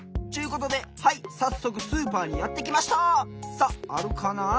さっあるかな？